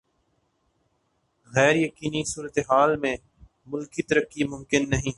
غیر یقینی صورتحال میں ملکی ترقی ممکن نہیں۔